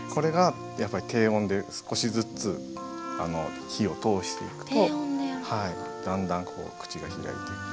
やっぱり低温で少しずつ火を通していくとだんだんこう口が開いていく。